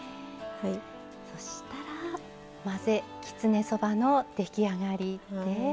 そしたら混ぜきつねそばの出来上がりです。